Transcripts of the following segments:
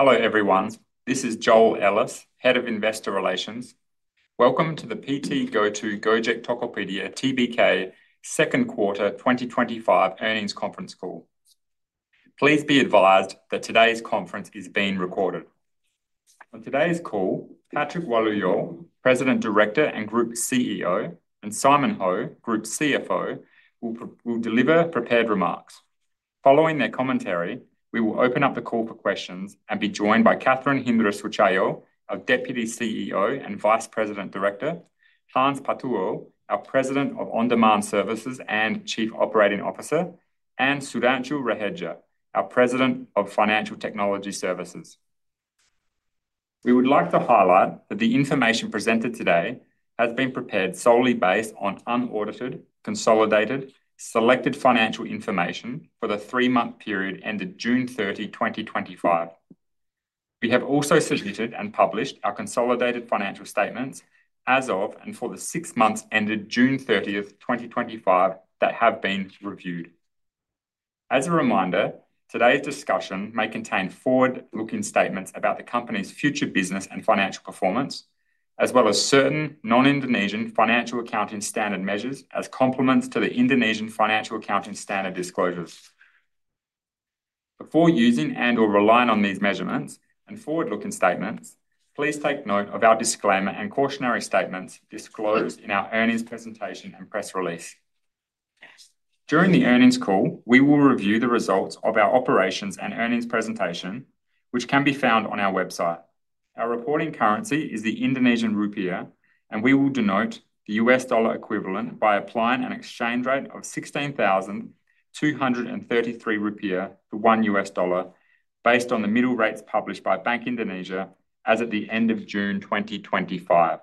Hello, everyone. This is Joel Ellis, Head of Investor Relations. Welcome to the PT GoTo Gojek Tokopedia Tbk Second Quarter 2025 Earnings Conference Call. Please be advised that today's conference is being recorded. On today's call, Patrick Walujo, President, Director and Group CEO, and Simon Ho, Group CFO, will deliver prepared remarks. Following their commentary, we will open up the call for questions, and be joined by Catherine Hindra Sutjahyo, our Deputy CEO and Vice President Director, Hans Patuwo, our President of On-Demand Services and Chief Operating Officer, and Sudhanshu Raheja, our President of Financial Technology Services. We would like to highlight that the information presented today has been prepared solely based on unaudited consolidated selected financial information for the three-month period ended June 30, 2025. We have also submitted and published our consolidated financial statements as of and for the six months ended June 30th, 2025, that have been reviewed. As a reminder, today's discussion may contain forward-looking statements about the company's future business and financial performance, as well as certain non-Indonesian Financial Accounting Standard measures, as complements to the Indonesian Financial Accounting Standard disclosures. Before using and/or relying on these measurements and forward-looking statements, please take note of our disclaimer and cautionary statements disclosed in our earnings presentation and press release. During the earnings call, we will review the results of our operations and earnings presentation, which can be found on our website. Our reporting currency is the Indonesian Rupiah, and we will denote the U.S. dollar equivalent by applying an exchange rate of 16,233 rupiah per U.S.$1, based on the middle rates published by Bank Indonesia as at the end of June 2025.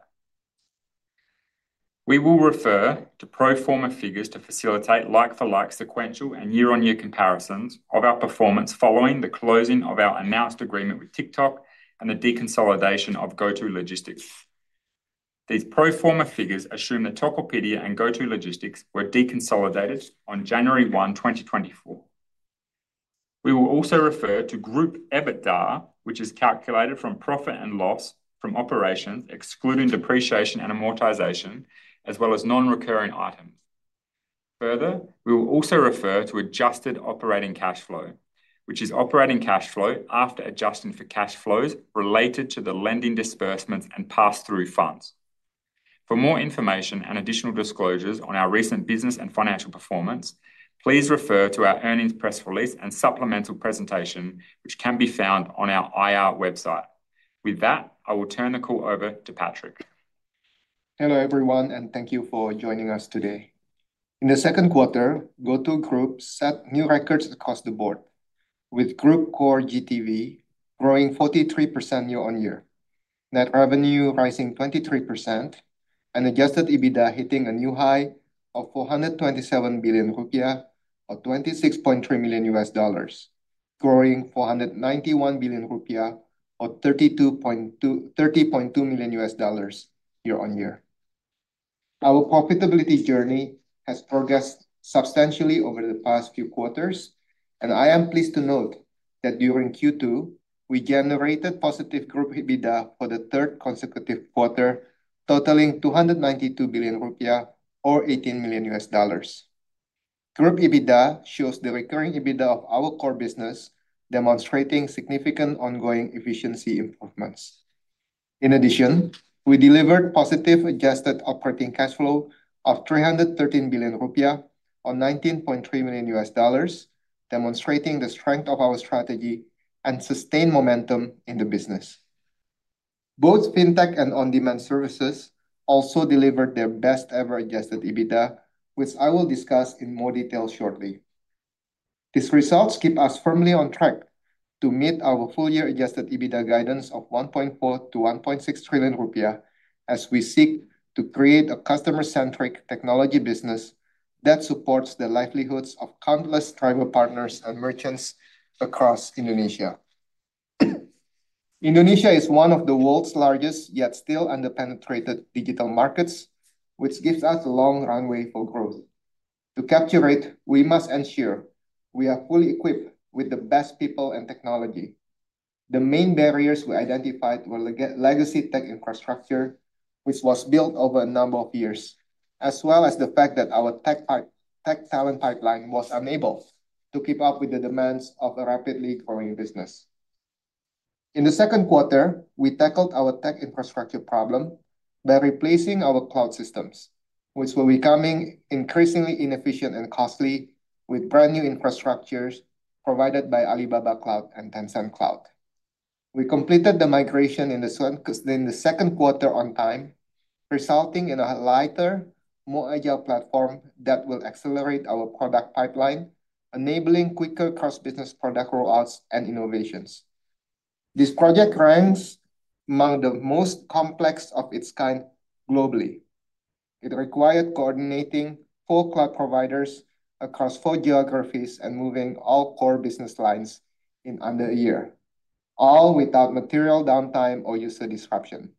We will refer to pro forma figures to facilitate like-for-like, sequential and year-on-year comparisons on our performance, following the closing of our announced agreement with TikTok and the deconsolidation of GoTo Logistics. These pro forma figures assume that Tokopedia and GoTo Logistics were deconsolidated on January 1, 2024. We will also refer to group EBITDA, which is calculated from profit and loss from operation, excluding depreciation and amortization as well as non-recurring items. Further, we will also refer to adjusted operating cash flow, which is operating cash flow after adjusting for cash flows related to the lending disbursements and pass-through funds. For more information and additional disclosures on our recent business and financial performance, please refer to our earnings press release and supplemental presentation,, which can be found on our IR website. With that, I will turn the call over to Patrick. Hello, everyone and thank you for joining us today. In the second quarter, GoTo Group set new records across the board, with group core GTV growing 43% year-on-year, net revenue rising 23%, and adjusted EBITDA hitting a new high of Rp427 billion or $26.3 million, growing Rp491 billion or $30.2 million year-on-year. Our profitability journey has progressed substantially over the past few quarters, and I am pleased to note that during Q2, we generated positive group EBITDA for the third consecutive quarter, totaling Rp292 billion or $18 million. Group EBITDA shows the recurring EBITDA of our core business, demonstrating significant ongoing efficiency improvements. In addition, we delivered positive adjusted operating cash flow of Rp313 billion or $19.3 million, demonstrating the strength of our strategy and sustained momentum in the business. Both fintech and on-demand services also delivered their best ever adjusted EBITDA, which I will discuss in more detail shortly. These results keep us firmly on track, to meet our full-year adjusted EBITDA guidance of Rp1.4 trillion-Rp1.6 trillion, as we seek to create a customer-centric technology business that supports the livelihoods of countless driver partners and merchants across Indonesia. Indonesia is one of the world's largest, yet still underpenetrated digital markets, which gives us a long runway for growth. To capture it, we must ensure we are fully equipped with the best people and technology. The main barriers we identified were legacy tech infrastructure, which was built over a number of years, as well as the fact that our tech talent pipeline was unable to keep up with the demands of a rapidly growing business. In the second quarter, we tackled our tech infrastructure problem by replacing our cloud systems, which were becoming increasingly inefficient and costly, with brand new infrastructures provided by Alibaba Cloud and Tencent Cloud. We completed the migration in the second quarter on time, resulting in a lighter, more agile platform that will accelerate our product pipeline, enabling quicker cross-business product rollouts and innovations. This project ranks among the most complex of its kind globally. It required coordinating four cloud providers across four geographies and moving all core business lines in under a year, all without material downtime or user disruption.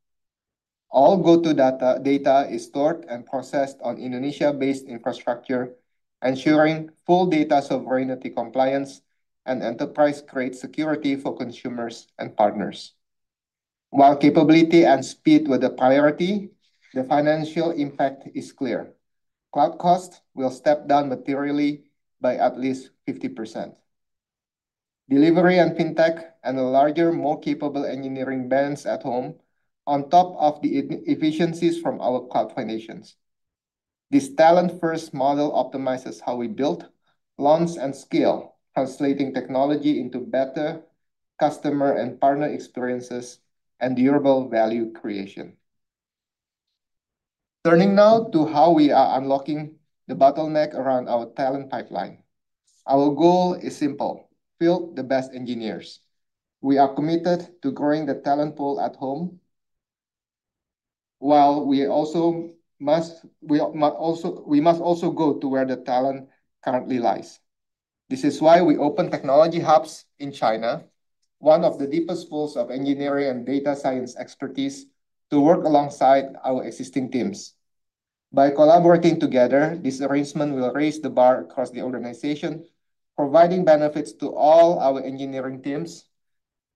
All GoTo data is stored and processed on Indonesia-based infrastructure, ensuring full data sovereignty compliance and enterprise-grade security for consumers and partners. While capability and speed were the priority, the financial impact is clear. Cloud cost will step down materially by at least 50%, delivery and fintech, and a larger, more capable engineering balance at home, on top of the efficiencies from our cloud financials. This talent-first model optimizes how we build, launch, and scale, translating technology into better customer and partner experiences and durable value creation. Turning now to how we are unlocking the bottleneck around our talent pipeline, our goal is simple, build the best engineers. We are committed to growing the talent pool at home, while we must also go to where the talent currently lies. This is why we open technology hubs in China, one of the deepest pools of engineering and data science expertise, to work alongside our existing teams. By collaborating together, this arrangement will raise the bar across the organization, providing benefits to all our engineering teams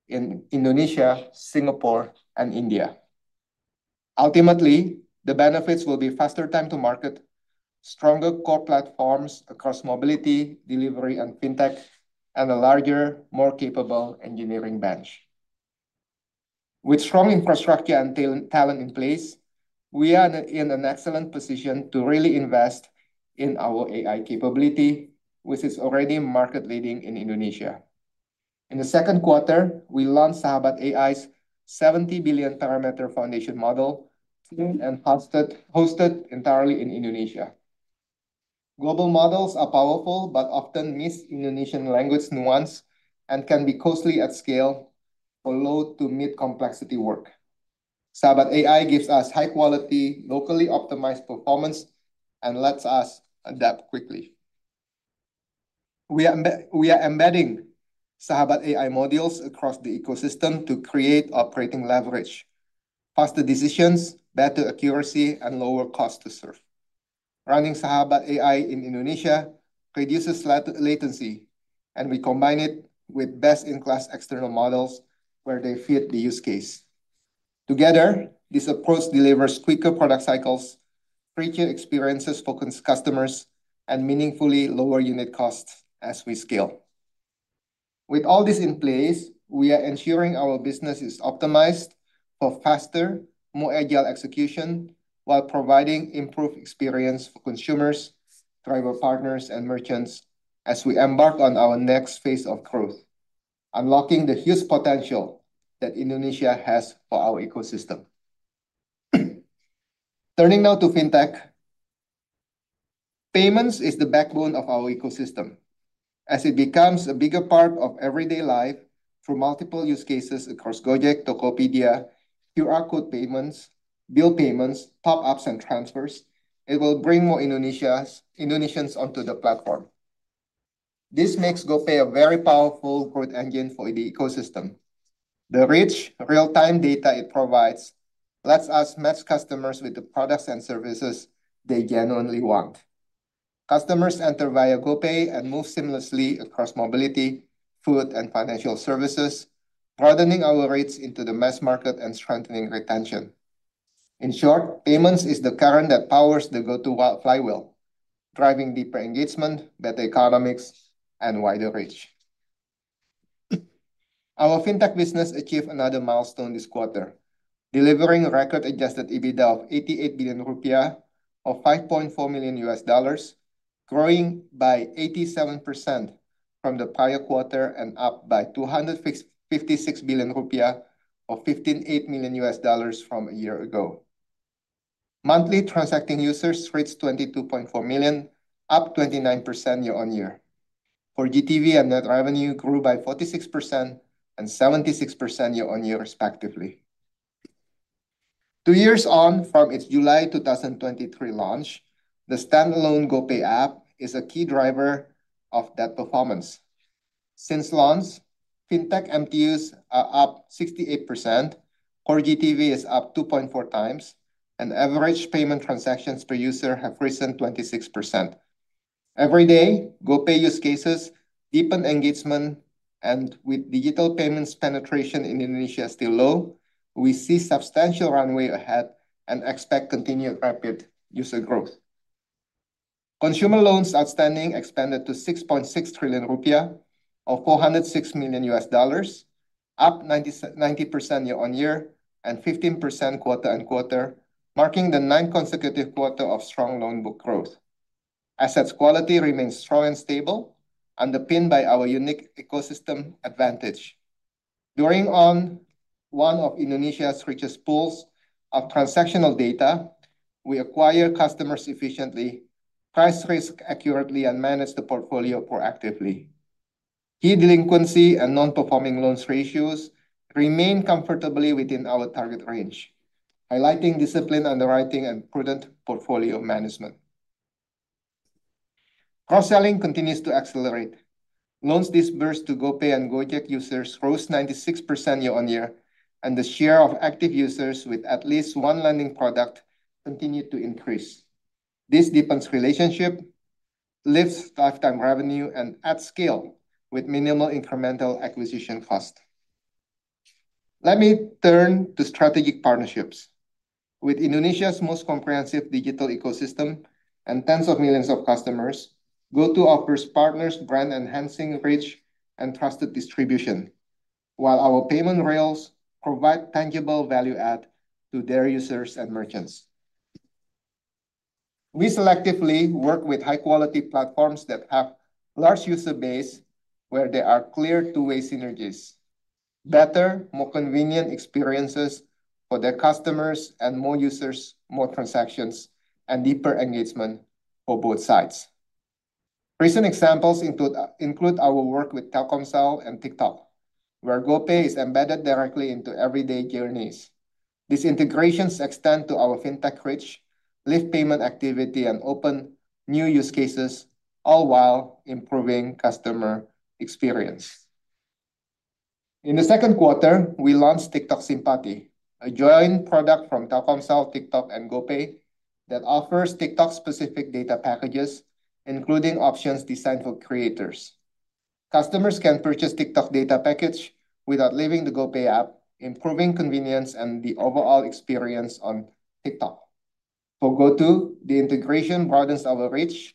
in Indonesia, Singapore, and India. Ultimately, the benefits will be faster time to market, stronger core platforms across mobility, delivery, and fintech, and a larger, more capable engineering bench. With strong infrastructure and talent in place, we are in an excellent position to really invest in our AI capability, which is already market-leading in Indonesia. In the second quarter, we launched Sahabat-AI's 70 billion parameter foundation model, hosted entirely in Indonesia. Global models are powerful, but often miss Indonesian language nuance and can be costly at scale for low to mid-complexity work. Sahabat-AI gives us high-quality, locally optimized performance and lets us adapt quickly. We are embedding Sahabat-AI modules across the ecosystem, to create operating leverage, faster decisions, better accuracy, and lower cost to serve. Running Sahabat-AI in Indonesia reduces latency, and we combine it with best-in-class external models where they fit the use case together. Together, this approach delivers quicker product cycles, [PREQ] experiences, focus on customers, and meaningfully lower unit costs as we scale. With all this in place, we are ensuring our business is optimized for faster, more agile execution, while providing improved experience for consumers, driver partners, and merchants as we embark on our next phase of growth, unlocking the huge potential that Indonesia has for our ecosystem. Turning now to fintech, payments is the backbone of our ecosystem. As it becomes a bigger part of everyday life through multiple use cases across Gojek, Tokopedia, QR code payments, bill payments, top-ups, and transfers, it will bring more Indonesians onto the platform. This makes GoPay a very powerful growth engine for the ecosystem. The rich real-time data it provides lets us match customers with the products and services they genuinely want. Customers enter via GoPay and move seamlessly across mobility, food, and financial services, broadening our rates into the mass market and strengthening retention. In short, payments is the current that powers the GoTo flywheel, driving deeper engagement, better economics, and wider reach. Our fintech business achieved another milestone this quarter, delivering a record adjusted EBITDA of Rp88 billion or $5.4 million, growing by 87% from the prior quarter and up by Rp256 billion or $58 million from a year ago. Monthly transacting users reached 22.4 million, up 29% year-on-year. Core GTV and net revenue grew by 46% and 76% year-on-year, respectively. Two years on from its July 2023 launch, the standalone GoPay app is a key driver of that performance. Since launch, fintech MTUs are up 68%, core GTV is up 2.4x and average payment transactions per user have risen 26%. Every day, GoPay use cases deepen engagement, and with digital payments penetration in Indonesia still low, we see substantial runway ahead and expect continued rapid user growth. Consumer loans outstanding expanded to Rp6.6 trillion or $406 million, up 90% year-on-year and 15% quarter-on-quarter, marking the ninth consecutive quarter of strong loan book growth. Asset quality remains strong and stable, underpinned by our unique ecosystem advantage. Drawing on one of Indonesia's richest pools of transactional data, we acquire customers efficiently, price risk accurately, and manage the portfolio proactively. Key delinquency and non-performing loans ratios remain comfortably within our target range, highlighting disciplined underwriting and prudent portfolio management. Cross-selling continues to accelerate. Loans disbursed to GoPay and Gojek users rose 96% year-on-year, and the share of active users with at least one lending product, continued to increase. This deepens relationships, lifts lifetime revenue, and at scale with minimal incremental acquisition cost. Let me turn to strategic partnerships. With Indonesia's most comprehensive digital ecosystem and tens of millions of customers, GoTo offers partners brand-enhancing reach and trusted distribution, while our payment rails provide tangible value-add to their users and merchants. We selectively work with high-quality platforms that attract large user bases, where there are clear two-way synergies, better, more convenient experiences for their customers, and more users, more transactions, and deeper engagement for both sides. Recent examples include our work with Telkomsel and TikTok, where GoPay is embedded directly into everyday journeys. These integrations extend to our fintech reach, lift payment activity and open new use cases, all while improving customer experience. In the second quarter, we launched TikTok Simpati, a joint product from Telkomsel, TikTok, and GoPay, that offers TikTok-specific data packages, including options designed for creators. Customers can purchase TikTok data packages without leaving the GoPay app, improving convenience and the overall experience on TikTok. For GoTo, the integration broadens our reach,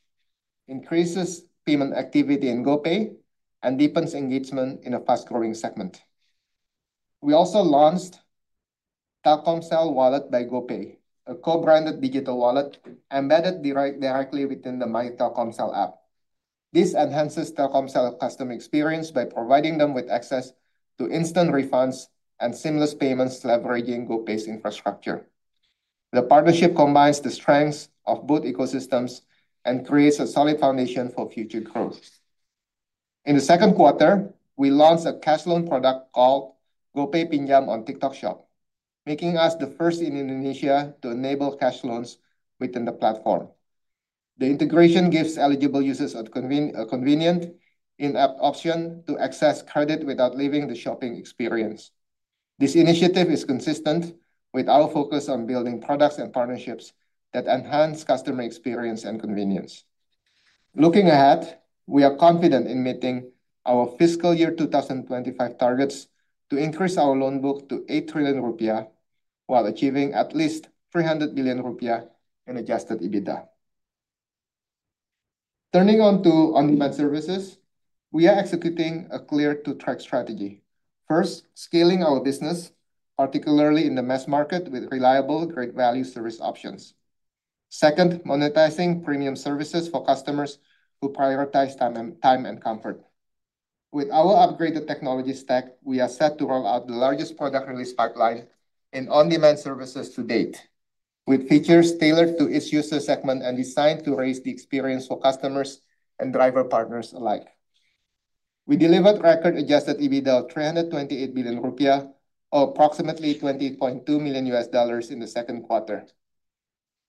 increases payment activity in GoPay, and deepens engagement in a fast-growing segment. We also launched Telkomsel Wallet by GoPay, a co-branded digital wallet embedded directly within the MyTelkomsel app. This enhances Telkomsel customer experience, by providing them with access to instant refunds and seamless payments leveraging GoPay's infrastructure. The partnership combines the strengths of both ecosystems, and creates a solid foundation for future growth. In the second quarter, we launched a cash loan product called GoPay Pinjam on TikTok Shop, making us the first in Indonesia to enable cash loans within the platform. The integration gives eligible users a convenient in-app option to access credit without leaving the shopping experience. This initiative is consistent with our focus on building products and partnerships, that enhance customer experience and convenience. Looking ahead, we are confident in meeting our fiscal year 2025 targets, to increase our loan book to Rp8 trillion, while achieving at least Rp300 billion in adjusted EBITDA. Turning on to on-demand services, we are executing a clear two-track strategy. First, scaling our business particularly in the mass market, with reliable, great-value service options. Second, monetizing premium services for customers who prioritize time and comfort. With our upgraded technology stack, we are set to roll out the largest product release pipeline in on-demand services to date, with features tailored to each user segment and designed to raise the experience for customers and driver partners alike. We delivered record adjusted EBITDA of Rp328 billion, or approximately $20.2 million in the second quarter.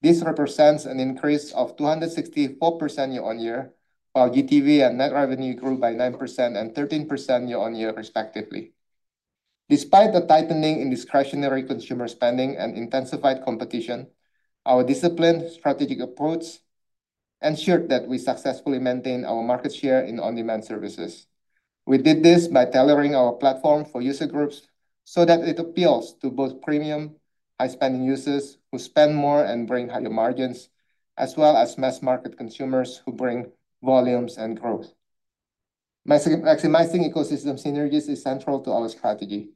This represents an increase of 264% year-on-year, while GTV and net revenue grew by 9% and 13% year-on-year, respectively. Despite the tightening in discretionary consumer spending and intensified competition, our disciplined strategic approach ensured that we successfully maintained our market share in on-demand services. We did this by tailoring our platform for user groups, so that it appeals to both premium, high spending users who spend more and bring higher margins, as well as mass market consumers who bring volumes and growth. Maximizing ecosystem synergies is central to our strategy.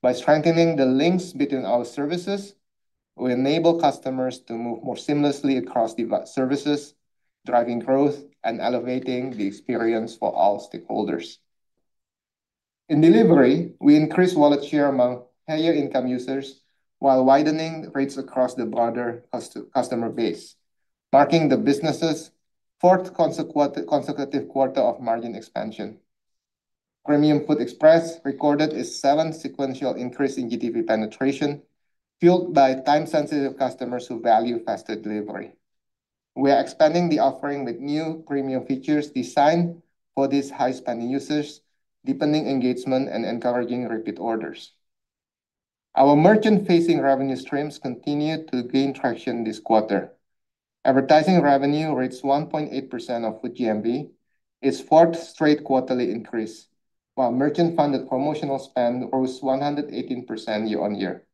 By strengthening the links between our services, we enable customers to move more seamlessly across device services, driving growth and elevating the experience for all stakeholders. In delivery, we increase wallet share among higher-income users, while widening rates across the broader customer base, marking the business's fourth consecutive quarter of margin expansion. Premium Food Express recorded a seventh sequential increase in GTV penetration, fueled by time-sensitive customers who value faster delivery. We are expanding the offering with new premium features designed for these high-spending users, deepening engagement and encouraging repeat orders. Our merchant-facing revenue streams continued to gain traction this quarter. Advertising revenue reached 1.8% of OGMV, its fourth straight quarterly increase, while merchant-funded promotional spend rose 118% year-on-year.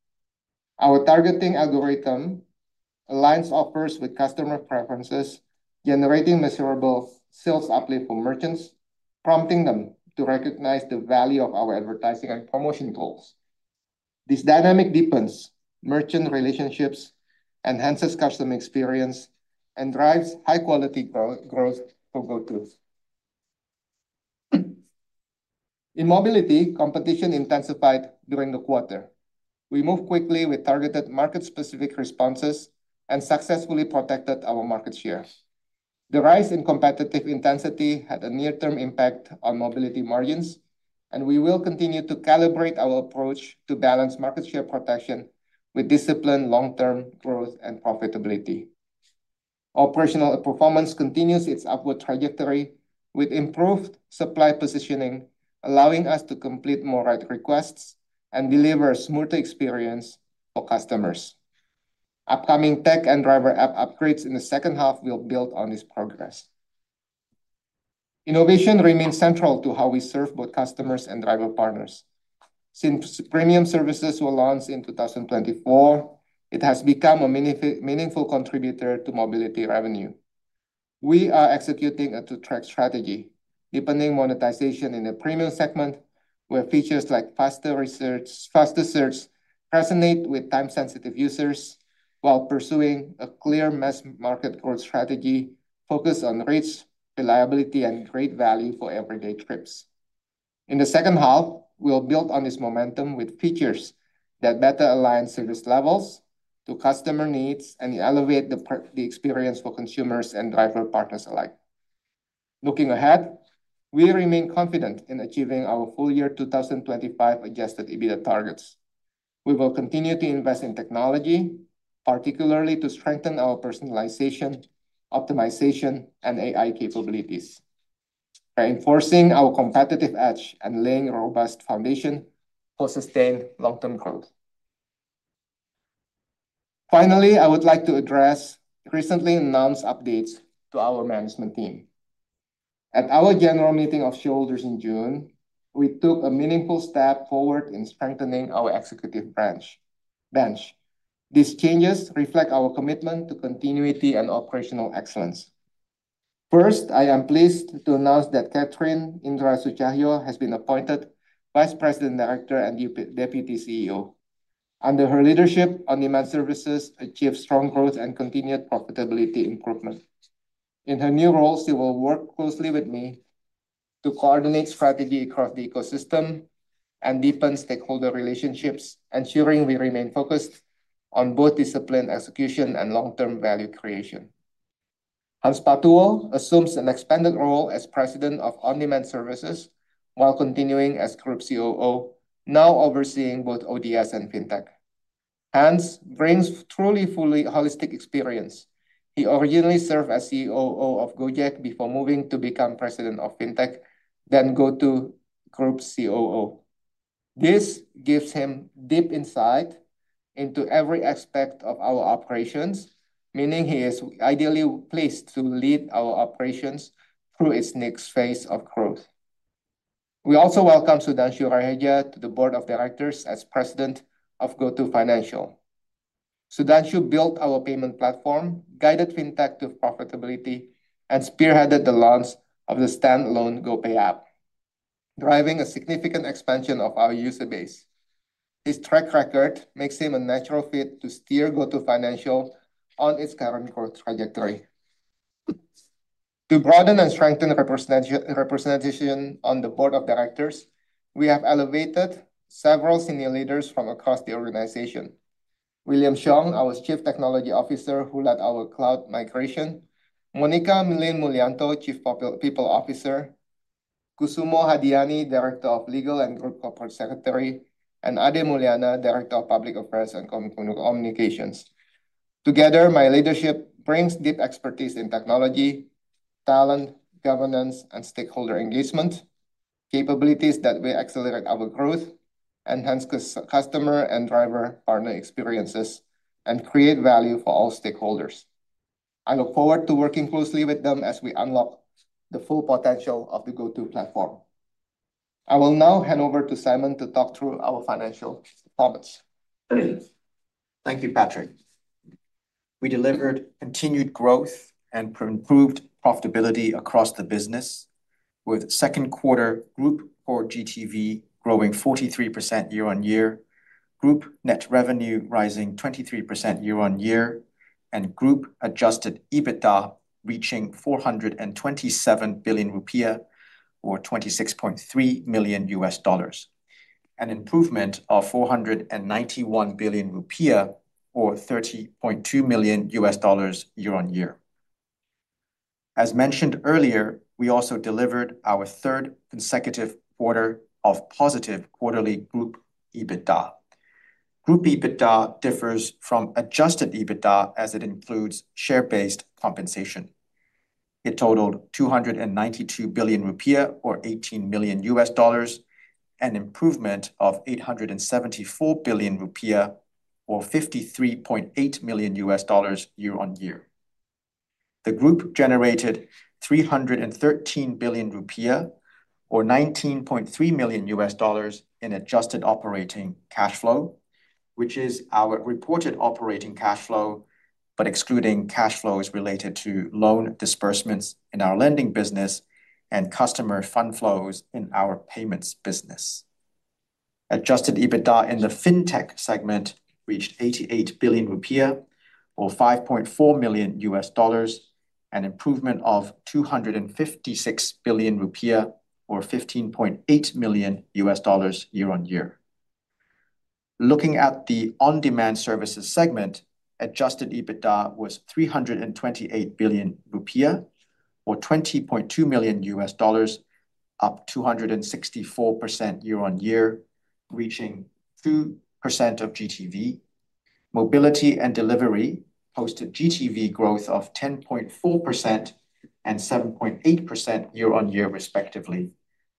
Our targeting algorithm aligns offers with customer preferences, generating measurable sales uplift for merchants, prompting them to recognize the value of our advertising and promotion goals. This dynamic deepens merchant relationships, enhances customer experience, and drives high-quality growth for [GoTos]. In mobility, competition intensified during the quarter. We moved quickly with targeted market-specific responses, and successfully protected our market shares. The rise in competitive intensity had a near-term impact on mobility margins, and we will continue to calibrate our approach to balance market share protection with disciplined long-term growth and profitability. Operational performance continues its upward trajectory, with improved supply positioning, allowing us to complete more ride requests and deliver a smoother experience for customers. Upcoming tech and driver app upgrades in the second half will build on this progress. Innovation remains central to how we serve both customers and driver partners. Since premium services were launched in 2024, it has become a meaningful contributor to mobility revenue. We are executing a two-track strategy, deepening monetization in a premium segment where features like faster search resonate with time-sensitive users, while pursuing a clear mass market growth strategy focused on rates, reliability, and great value for everyday trips. In the second half, we'll build on this momentum with features that better align service levels to customer needs, and elevate the experience for consumers and driver partners alike. Looking ahead, we remain confident in achieving our full-year 2025 adjusted EBITDA targets. We will continue to invest in technology, particularly to strengthen our personalization, optimization, and AI capabilities, reinforcing our competitive edge and laying a robust foundation for sustained long-term growth. Finally, I would like to address, recently announced updates to our management team. At our general meeting of shareholders in June, we took a meaningful step forward in strengthening our executive bench. These changes reflect our commitment to continuity and operational excellence. First, I am pleased to announce that Catherine Hindra Sutjahyo has been appointed Vice President, Director, and Deputy CEO. Under her leadership, On-demand Services achieved strong growth and continued profitability improvement. In her new role, she will work closely with me to coordinate strategy across the ecosystem and deepen stakeholder relationships, ensuring we remain focused on both discipline, execution, and long-term value creation. Hans Patuwo assumes an expanded role as President of On-demand Services, while continuing as Group COO, now overseeing both ODS and Fintech. Hans brings truly fully a holistic experience. He originally served as COO of Gojek, before moving to become President of Fintech, then GoTo Group COO. This gives him deep insight into every aspect of our operations, meaning he is ideally placed to lead our operations through its next phase of growth. We also welcome Sudhanshu Raheja to the Board of Directors, as President of GoTo Financial. Sudhanshu built our payment platform, guided Fintech to profitability, and spearheaded the launch of the standalone GoPay app, driving a significant expansion of our user base. His track record makes him a natural fit to steer GoTo Financial on its current growth trajectory. To broaden and strengthen representation on the Board of Directors, we have elevated several senior leaders from across the organization, William Xiong, our Chief Technology Officer who led our cloud migration, Monica Lynn Mulyanto, Chief People Officer, Koesoemohadiani, Director of Legal and Corporate Secretary, and Ade Muliana, Director of Public Affairs and Communications. Together, my leadership brings deep expertise in technology, talent, governance, and stakeholder engagement, capabilities that will accelerate our growth, enhance customer and driver partner experiences, and create value for all stakeholders. I look forward to working closely with them as we unlock the full potential of the GoTo platform. I will now hand over to Simon to talk through our financial [products]. Yes. Thank you, Patrick. We delivered continued growth and improved profitability across the business, with second-quarter group core GTV growing 43% year-on-year, group net revenue rising 23% year-on-year, and group adjusted EBITDA reaching Rp427 billion or $26.3 million, an improvement of Rp491 billion rupiah or $30.2 million year-on-year. As mentioned earlier, we also delivered our third consecutive quarter of positive quarterly group EBITDA. Group EBITDA differs from adjusted EBITDA, as it includes share-based compensation. It totaled Rp292 billion or $18 million, an improvement of Rp 874 billion or $53.8 million year-on-year. The group generated Rp313 billion or $19.3 million in adjusted operating cash flow, which is our reported operating cash flow, but excluding cash flows related to loan disbursements in our lending business and customer fund flows in our payments business. Adjusted EBITDA in the fintech segment reached Rp88 billion or $5.4 million, an improvement of Rp256 billion or $15.8 million year-on-year. Looking at the On-demand Services segment, adjusted EBITDA was Rp328 billion or $20.2 million, up 264% year-on-year, reaching 2% of GTV. Mobility and delivery posted GTV growth of 10.4% and 7.8% year-on-year respectively,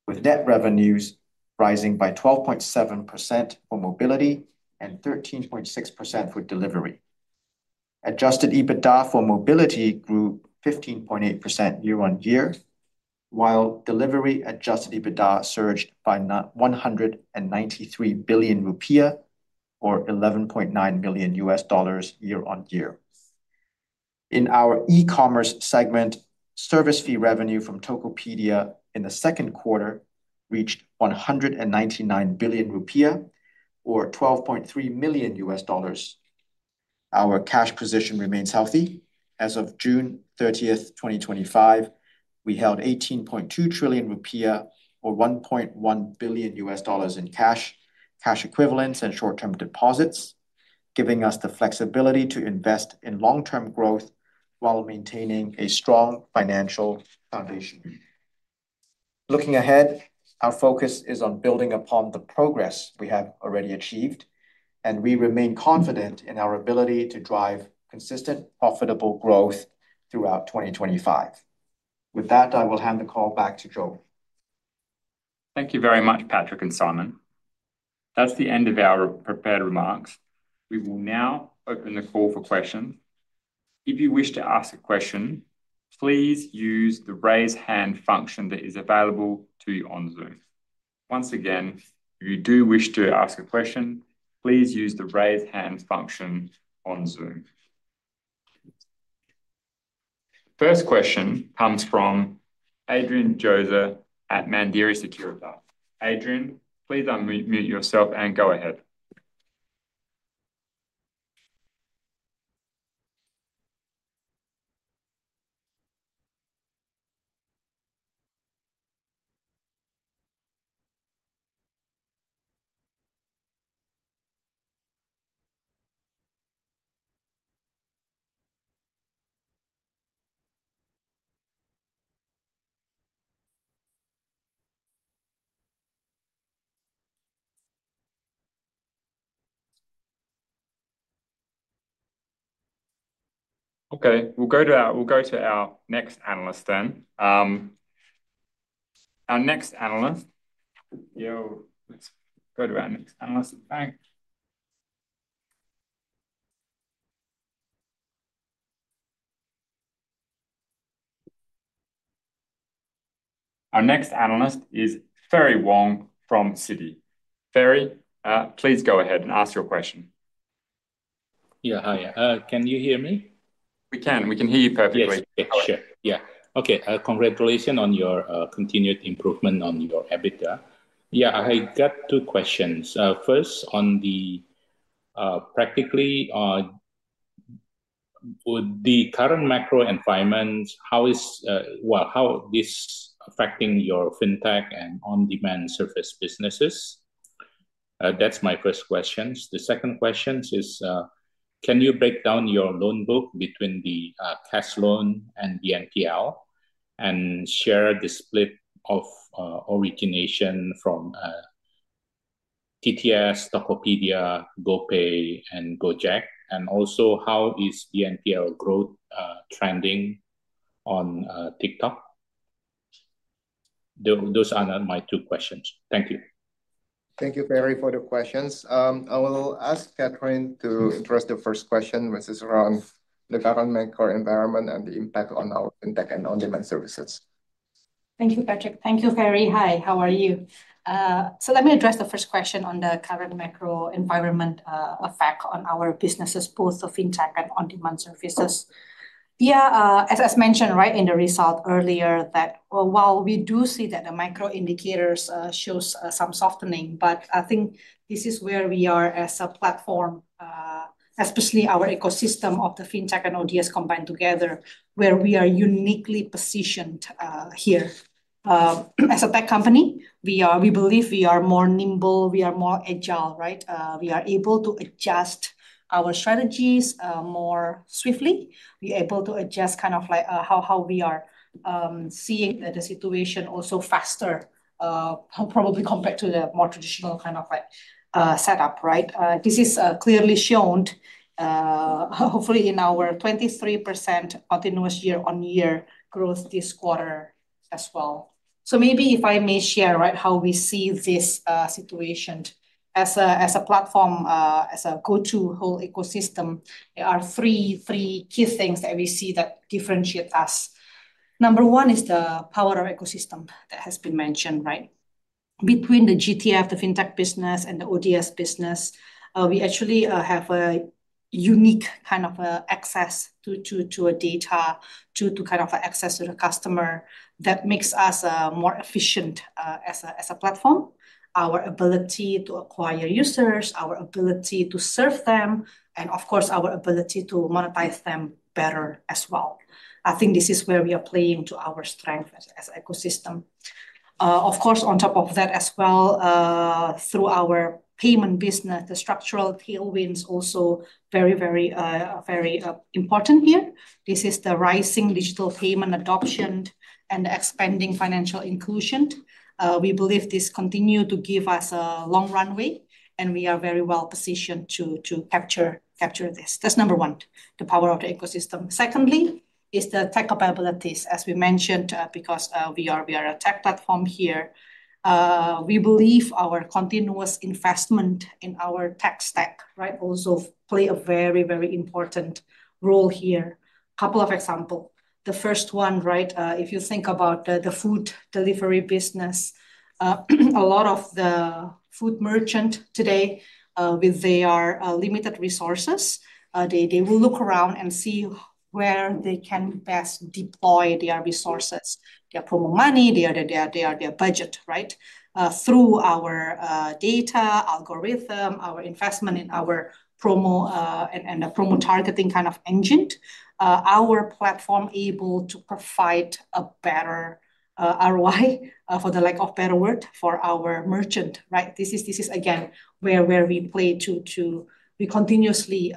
with net revenues rising by 12.7% for mobility and 13.6% for delivery. Adjusted EBITDA for mobility grew 15.8% year-on-year, while delivery adjusted EBITDA surged by Rp100 billion or $11.9 million year-on-year. In our e-commerce segment, service fee revenue from Tokopedia in the second quarter reached Rp199 billion or $12.3 million. Our cash position remains healthy. As of June 30th, 2025, we held Rp18.2 trillion or $1.1 billion in cash, cash equivalents and short-term deposits, giving us the flexibility to invest in long-term growth, while maintaining a strong financial foundation. Looking ahead, our focus is on building upon the progress we have already achieved. We remain confident in our ability to drive consistent, profitable growth throughout 2025. With that, I will hand the call back to Joel. Thank you very much, Patrick and Simon. That's the end of our prepared remarks. We will now open the call for questions. If you wish to ask a question, please use the raise hand function that is available to you on Zoom. Once again, if you do wish to ask a question, please use the raise hand function on Zoom. First question comes from Adrian Joezer at Mandiri Sekuritas [Bank]. Adrian, please unmute yourself and go ahead. Okay, we'll go to our next analyst. Our next analyst is Ferry Wong from Citi. Ferry, please go ahead and ask your question. Yeah. Hi, can you hear me? We can. We can hear you perfectly [crosstak]. Sure, yeah. Okay, congratulations on your continued improvement on your EBITDA. I got two questions. First, practically, with the current macro environment, how is this affecting your fintech and on-demand services businesses? That's my first question. The second question is, can you break down your loan book between the cash loan and BNPL, and share the split of origination from TTS, Tokopedia, GoPay, and Gojek? Also, how is BNPL growth trending on TikTok? Those are my two questions. Thank you. Thank you, Ferry for the questions. I will ask Catherine to address the first question, which is around the current core environment and the impact on our fintech and on-demand services. Thank you, Patrick. Thank you, Ferry. Hi, how are you? Let me address the first question on the current macro environment effect on our businesses, both the fintech and on-demand services. As mentioned in the result earlier, that we do see that the macro indicators show some softening, but I think this is where we are as a platform, especially our ecosystem of the fintech and ODS combined together, where we are uniquely positioned here. As a tech company, we believe we are more nimble, we are more agile. We are able to adjust our strategies more swiftly. We are able to adjust kind of like, how we are seeing the situation also faster, probably compared to the more traditional kind of setup. This is clearly shown hopefully in our 23% continuous year-on-year growth this quarter as well. Maybe if I may share how we see this situation as a platform, as a GoTo whole ecosystem, there are three key things that we see that differentiate us. Number one is the power of ecosystem that has been mentioned, right? Between the GTF, the fintech business, and the ODS business, we actually have a unique kind of access to data, to kind of access to the customer, that makes us more efficient as a platform. Our ability to acquire users, our ability to serve them, and of course our ability to monetize them better as well, I think this is where we are playing to our strength as an ecosystem. Of course, on top of that as well, through our payment business, the structural tailwinds are also very, very important here. This is the rising digital payment adoption, and expanding financial inclusion. We believe this continues to give us a long runway, and we are very well positioned to capture this. That's number one, the power of the ecosystem. Secondly is the tech capabilities. As we mentioned, because we are a tech platform here, we believe our continuous investment in our tech stack also plays a very, very important role here. A couple of examples, the first one, if you think about the food delivery business, a lot of the food merchants today, with their limited resources will look around and see where they can best deploy their resources, their promo money, their budget. Through our data algorithm, our investment in our promo and the promo targeting kind of engine, our platform is able to provide a better ROI, for lack of a better word, for our merchant. This is again where we play [to]. We continuously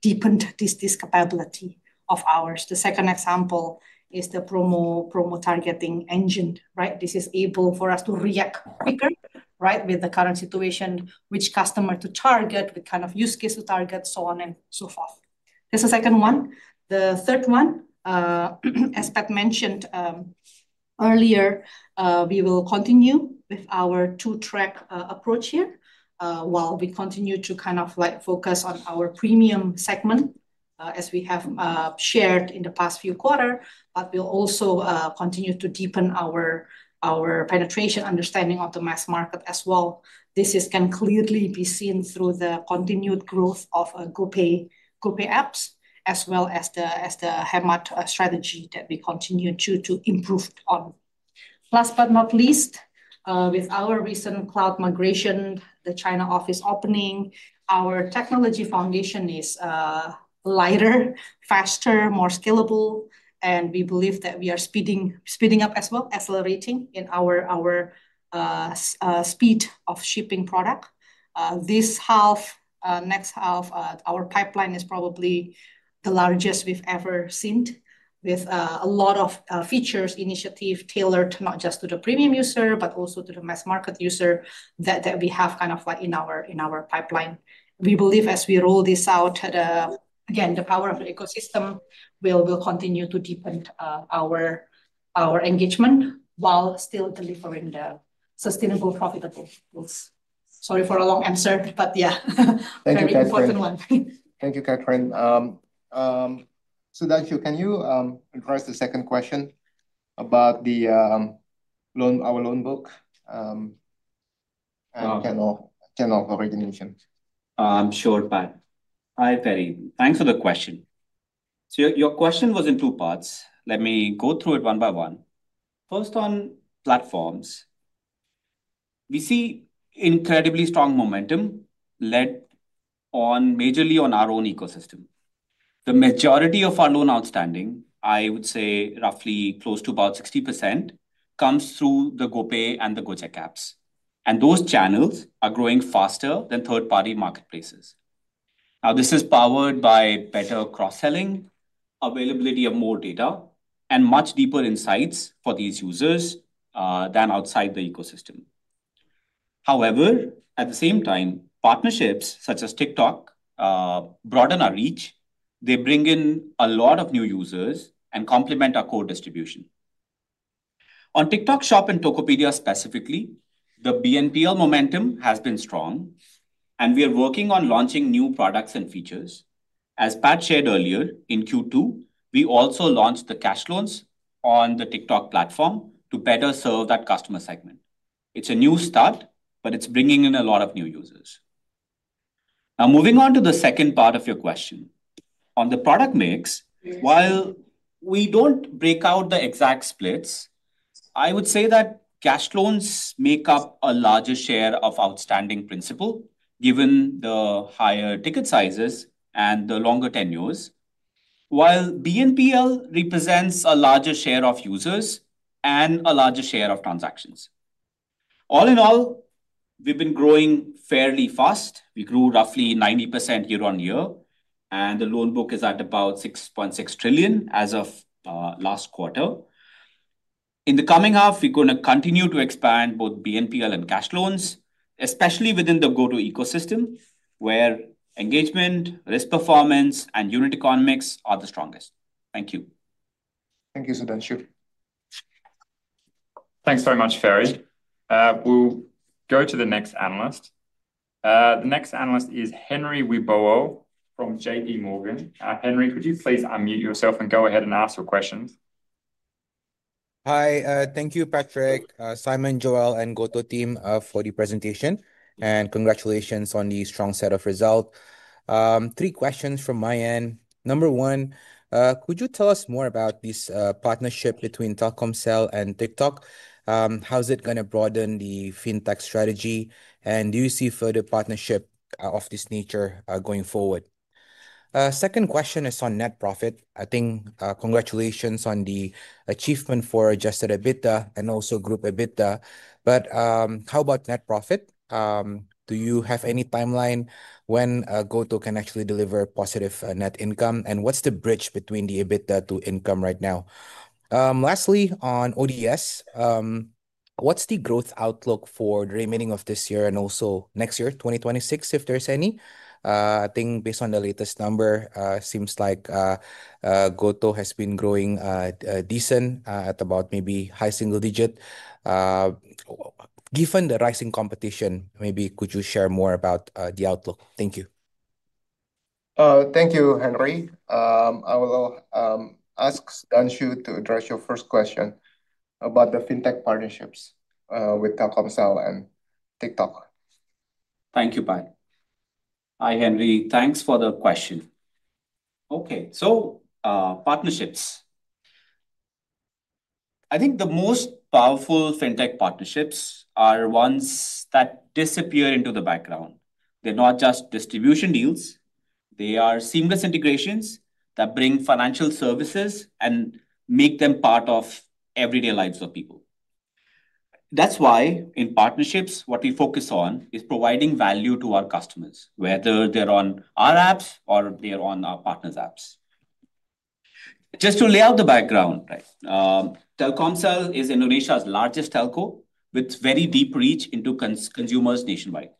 deepen this capability of ours. The second example is the promo targeting engine, right? This is able for us to react quicker, right? With the current situation, which customer to target, what kind of use case to target, so on and so forth. This is the second one. The third one, as Pat mentioned earlier, we will continue with our two-track approach here, while we continue to kind of focus on our premium segment, as we have shared in the past few quarter, but we'll also continue to deepen our penetration understanding of the mass market as well. This can clearly be seen through the continued growth of GoPay apps, as well as the [hammer] strategy that we continue to improve on. Last but not least, with our recent cloud migration, the China Office opening, our technology foundation is lighter, faster, more scalable, and we believe that we are speeding up as well, accelerating in our speed of shipping product this half, next half. Our pipeline is probably the largest we've ever seen, with a lot of features initiative tailored not just to the premium user, but also to the mass market user that we have kind of in our pipeline. We believe as we roll this out, again the power of the ecosystem will continue to deepen our engagement, while still delivering the sustainable, profitable [goals]. Sorry for a long answer, but yeah, [an important one]. Thank you, Catherine. Sudhanshu, can you address the second question about our loan book? Sure, Pat. Hi Ferry. Thanks for the question. Your question was in two parts. Let me go through it one by one. First, on platforms, we see incredibly strong momentum, led majorly on our own ecosystem. The majority of our loan outstanding, I would say roughly close to about 60%, comes through the GoPay and the Gojek app, and those channels are growing faster than third-party marketplaces. This is powered by better cross-selling, availability of more data, and much deeper insights for these users than outside the ecosystem. However, at the same time, partnerships such as TikTok, broaden our reach. They bring in a lot of new users and complement our core distribution. On TikTok Shop and Tokopedia specifically, the BNPL momentum has been strong, and we are working on launching new products and features. As Pat shared earlier, in Q2, we also launched the cash loans on the TikTok platform, to better serve that customer segment. It's a new start, but it's bringing in a lot of new users. Now, moving on to the second part of your question. On the product mix, while we don't break out the exact splits, I would say that cash loans make up a larger share of outstanding principal, given the higher ticket sizes and the longer tenures, while BNPL represents a larger share of users and a larger share of transactions. All in all, we've been growing fairly fast. We grew roughly 90% year-on-year, and the loan book is at about Rp6.6 trillion as of last quarter. In the coming half, we're going to continue to expand both BNPL and cash loans, especially within the GoTo ecosystem, where engagement, risk, performance, and unit economics are the strongest. Thank you. Thank you, Sudhanshu. Thanks very much, Ferry. We'll go to the next analyst. The next analyst is Henry Wibowo from JPMorgan. Henry, could you please unmute yourself and go ahead and ask your questions? Hi. Thank you, Patrick, Simon, Joel and GoTo team for the presentation, and congratulations on the strong set of results. Three questions from my end. Number one, could you tell us more about this partnership between Telkomsel and TikTok? How's it going to broaden the fintech strategy, and do you see further partnership of this nature going forward? Second question is on net profit. Congratulations on the achievement for adjusted EBITDA and also group EBITDA. How about net profit? Do you have any timeline when GoTo can actually deliver positive net income? What's the bridge between the EBITDA to income right now? Lastly, on ODS, what's the growth outlook for the remaining of this year and also next year 2026, if there's any? I think based on the latest number, it seems like GoTo has been growing decent, at about maybe high single digit. Given the rising competition, maybe you could share more about the outlook? Thank you. Thank you, Henry. I will ask Sudhanshu to address your first question about the fintech partnerships with Telkomsel and TikTok. Thank you, Pat. Hi, Henry. Thanks for the question. Okay, so partnerships, I think the most powerful fintech partnerships are ones that disappear into the background. They're not just distribution deals. They are seamless integrations that bring financial services, and make them part of everyday lives of people. That's why in partnerships, what we focus on is providing value to our customers, whether they're on our apps or they are on our partners' apps. Just to lay out the background, Telkomsel is Indonesia's largest telco, with very deep reach into consumers nationwide.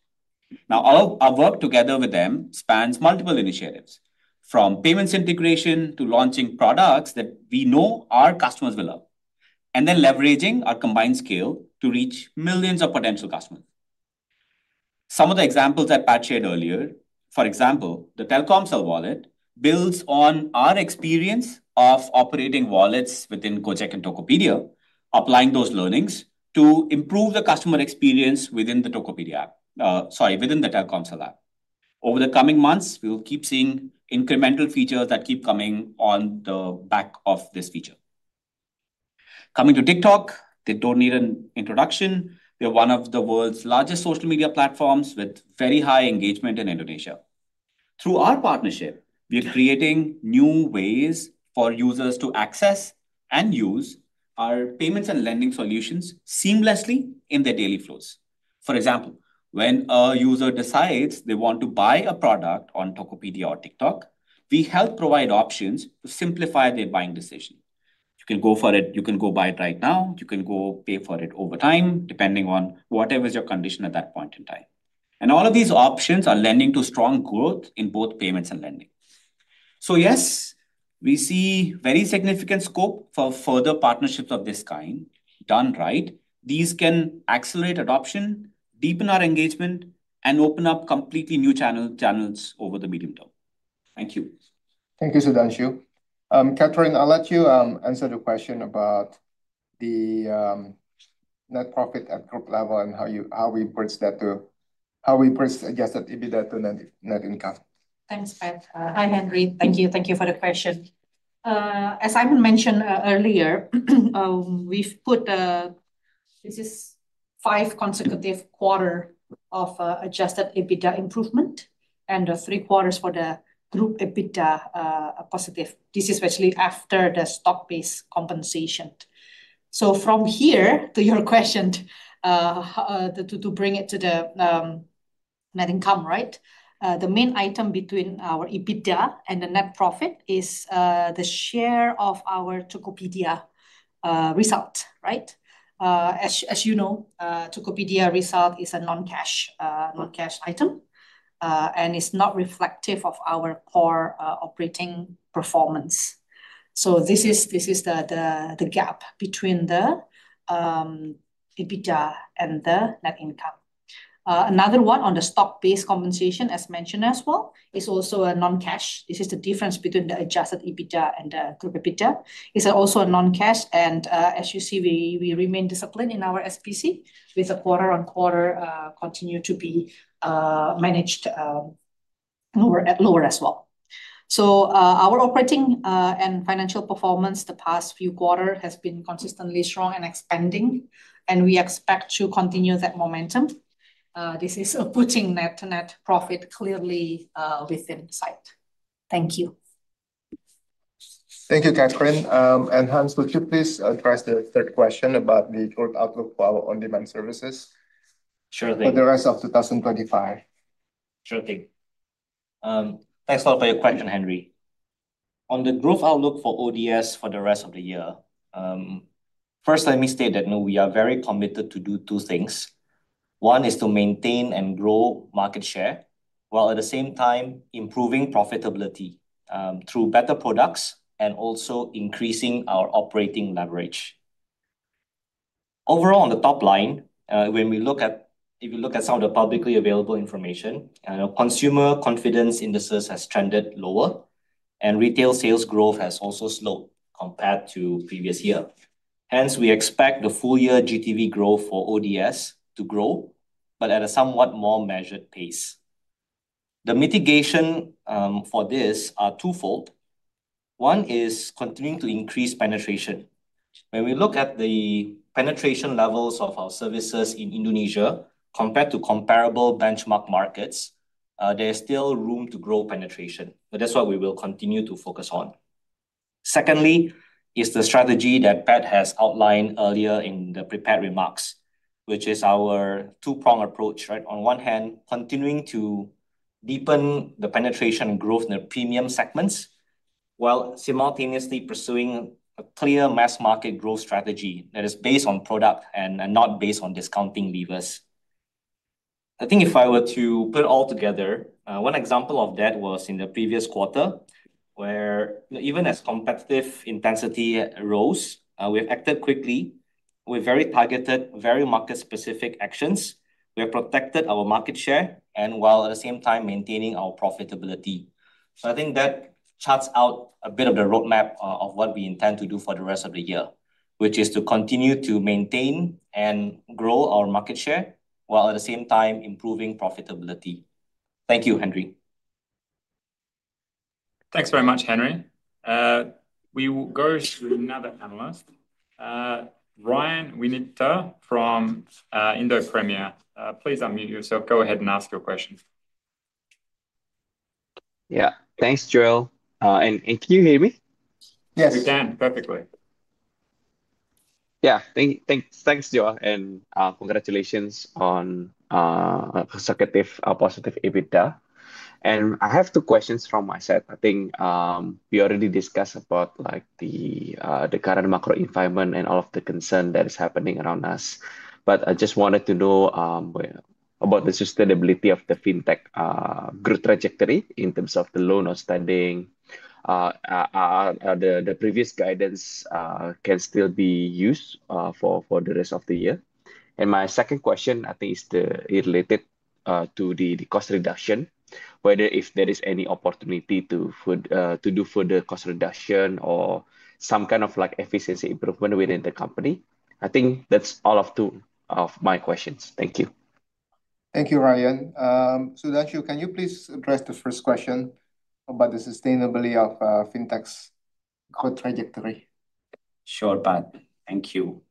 Now, all our work together with them spans multiple initiatives, from payments integration to launching products that we know our customers will love, and then leveraging our combined scale to reach millions of potential customers. Some of the examples that Pat shared earlier, for example, the Telkomsel Wallet builds on our experience of operating wallets within Gojek and Tokopedia, applying those learnings to improve the customer experience within the Telkomsel app. Over the coming months, we'll keep seeing incremental features that keep coming on the back of this feature. Coming to TikTok, they don't need an introduction. They are one of the world's largest social media platforms, with very high engagement in Indonesia. Through our partnership, we are creating new ways for users to access and use our payments and lending solutions seamlessly in their daily flows. For example, when a user decides they want to buy a product on Tokopedia or TikTok, we help provide options which simplify their buying decision. You can go for it, you can go buy it right now, you can go pay for it over time, depending on whatever is your condition at that point in time. All of these options are lending to strong growth in both payments and lending. Yes, we see very significant scope for further partnerships of this kind. Done right, these can accelerate adoption, deepen our engagement, and open up completely new channels over the medium term. Thank you. Thank you, Sudhanshu. Catherine, I'll let you answer the question about the net profit at group level, and how we approach adjusted EBITDA to net income. Thanks, Pat. Hi, Henry. Thank you for the question. As I mentioned earlier, we've put these five consecutive quarters of adjusted EBITDA improvement, and three quarters for the group EBITDA, a positive. This is actually after the stock-based compensation. From here, to your question,, to bring it to the net income, right? The main item between our EBITDA and the net profit is the share of our Tokopedia result, right? As you know, Tokopedia result is a non-cash item and it's not reflective of our core operating performance. This is the gap between the EBITDA and the net income. Another one on the stock-based compensation, as mentioned as well, is also a non-cash. This is the difference between the adjusted EBITDA and the group EBITDA, is also a non-cash. As you see, we remain disciplined in our SPC, with a quarter-on-quarter continuing to be managed lower as well. Our operating and financial performance the past few quarter has been consistently strong and expanding, and we expect to continue that momentum. This is putting net profit clearly within sight. Thank you. Thank you, Catherine. Hans, would you please address the third question about the growth outlook for our on-demand services? Sure thing. For the rest of 2025. Sure thing. Thanks a lot for your question, Henry. On the growth outlook for ODS for the rest of the year, first let me state that we are very committed to do two things. One is to maintain and grow market share, while at the same time improving profitability through better products and also increasing our operating leverage, Overall, on the top line, when we look at some of the publicly available information, our consumer confidence indices have trended lower and retail sales growth has also slowed compared to the previous year. Hence, we expect the full-year GTV growth for ODS to grow, but at a somewhat more measured pace. The mitigation for this is twofold. One is continuing to increase penetration. When we look at the penetration levels of our services in Indonesia, compared to comparable benchmark markets, there is still room to grow penetration and that's what we will continue to focus on. Secondly, is the strategy that Pat has outlined earlier in the prepared remarks, which is our two-pronged approach. On one hand, continuing to deepen the penetration and growth in the premium segments, while simultaneously pursuing a clear mass market growth strategy that is based on product and not based on discounting levers. I think if I were to put it all together, one example of that was in the previous quarter, where even as competitive intensity rose, we've acted quickly, with very targeted, very market-specific actions. We have protected our market share, while at the same time maintaining our profitability. I think that charts out a bit of the roadmap of what we intend to do for the rest of the year, which is to continue to maintain and grow our market share, while at the same time, improving profitability. Thank you, Henry. Thanks very much, Henry. We will go to another analyst, Ryan Winipta from Indo Premier. Please unmute yourself. Go ahead and ask your questions. Yeah. Thanks, Joel. Can you hear me? Yes. We can perfectly. Yeah. Thanks, Joel. Congratulations on consecutive positive EBITDA. I have two questions from my side. We already discussed about the current macro environment, and all of the concern that is happening around us. I just wanted to know about the sustainability of the fintech growth trajectory, in terms of the loan outstanding. The previous guidance can still be used for the rest of the year. My second question is related to the cost reduction, whether there is any opportunity to do further cost reduction or some kind of efficiency improvement within the company. I think that's all of my questions. Thank you. Thank you, Ryan. Sudhanshu, can you please address the first question about the sustainability of fintech's growth trajectory? Sure, Pat. Thank you,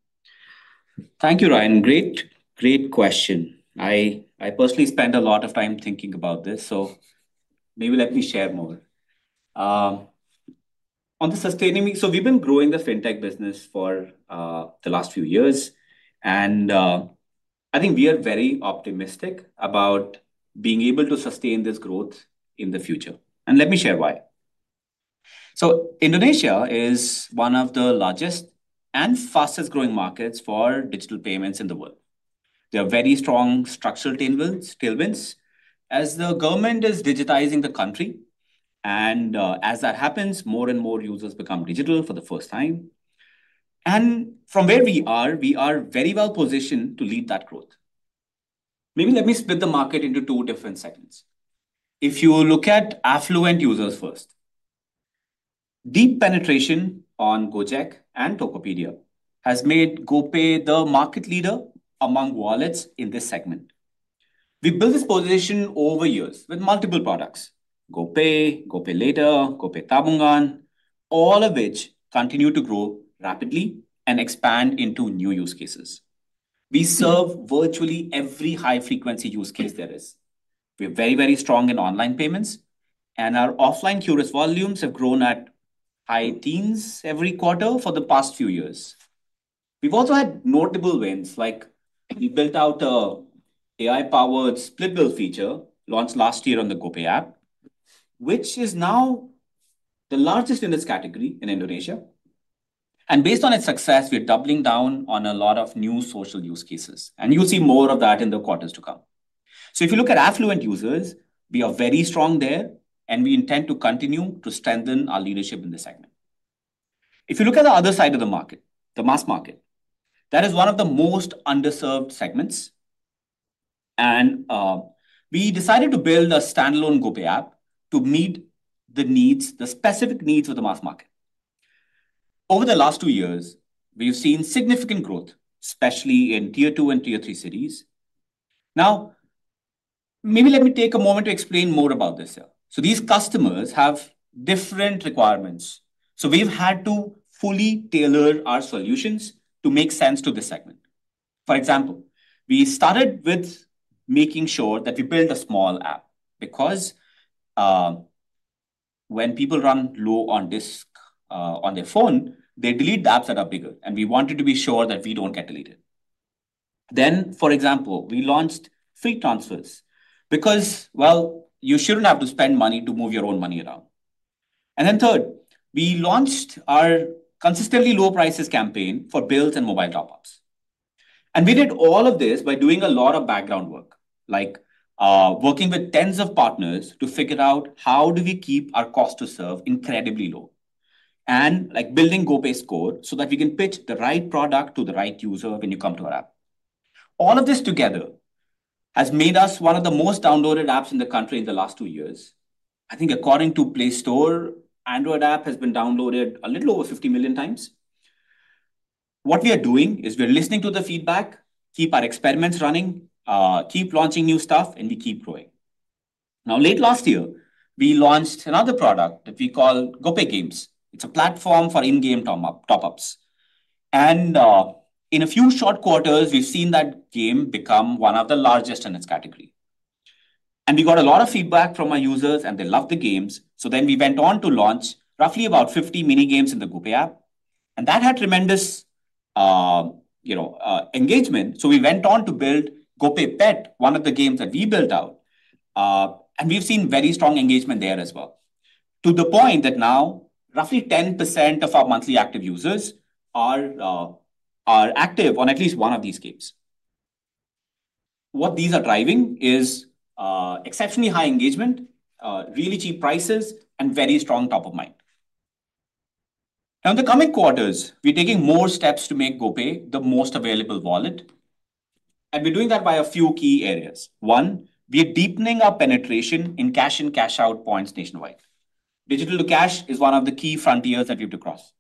Ryan. Great question. I personally spend a lot of time thinking about this, so maybe let me share more on the sustaining. We've been growing the fintech business for the last few years, and I think we are very optimistic about being able to sustain this growth in the future. Let me share why. Indonesia is one of the largest and fastest-growing markets for digital payments in the world. There are very strong structural tailwinds, as the government is digitizing the country. As that happens, more and more users become digital for the first time. From where we are, we are very well-positioned to lead that growth. Maybe let me split the market into two different segments. If you look at affluent users first, deep penetration on Gojek and Tokopedia has made GoPay the market leader among wallets in this segment. We built this position over years with multiple products, GoPay, GoPayLater, GoPay Tabungan, all of which continue to grow rapidly and expand into new use cases. We serve virtually every high-frequency use case there is. We're very, very strong in online payments, and our offline curious volumes have grown at high teens every quarter for the past few years. We've also had multiple wins, like we built out an AI-powered split bill feature launched last year on the GoPay app, which is now the largest in this category in Indonesia. Based on its success, we're doubling down on a lot of new social use cases, and you'll see more of that in the quarters to come. If you look at affluent users, we are very strong there, and we intend to continue to strengthen our leadership in this segment. If you look at the other side of the market, the mass market, that is one of the most underserved segments. We decided to build a standalone GoPay app, to meet the specific needs of the mass market. Over the last two years, we have seen significant growth, especially in tier 2 and tier 3 cities. Now, maybe let me take a moment to explain more about this here. These customers have different requirements, so we've had to fully tailor our solutions to make sense to the segment. For example, we started with making sure that we build a small app, because when people run low on disk on their phone, they delete the apps that are bigger and we wanted to be sure that we don't get deleted. For example, we launched free transfers, because you shouldn't have to spend money to move your own money around. Third, we launched our consistently low prices campaign for bills and mobile top-ups. We did all of this by doing a lot of background work, like working with tens of partners to figure out, how do we keep our cost to serve incredibly low? Like building GoPay's code, so that we can pitch the right product to the right user when you come to our app. All of this together has made us one of the most downloaded apps in the country in the last two years. I think according to Play Store, our Android app has been downloaded a little over 50 million times. What we are doing, is we are listening to the feedback, keep our experiments running, keep launching new stuff, and we keep growing. Now, late last year, we launched another product that we call GoPay Games. It's a platform for in-game top-ups. In a few short quarters, we've seen that game become one of the largest in its category. We got a lot of feedback from our users and they loved the games. We went on to launch roughly about 50 minigames in the GoPay app, and that had tremendous engagement. We went on to build [GoPay Pet], one of the games that we built out. We've seen very strong engagement there as well, to the point that now roughly 10% of our monthly active users are active on at least one of these games. What these are driving is exceptionally high engagement, really cheap prices, and very strong top of mind. In the coming quarters, we're taking more steps to make GoPay the most available wallet. We're doing that by a few key areas. One, we are deepening our penetration in cash-in, cash-out points nationwide. Digital to cash is one of the key frontiers that we have to cross.